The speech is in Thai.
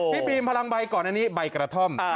พี่บีมพลังใบก่อนอันนี้ใบกระท่อม